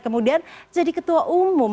kemudian jadi ketua umum